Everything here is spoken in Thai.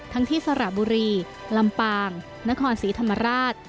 ที่สระบุรีลำปางนครศรีธรรมราช